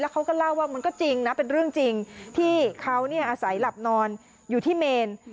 เขาก็เล่าว่ามันก็จริงนะเป็นเรื่องจริงที่เขาอาศัยหลับนอนอยู่ที่เมน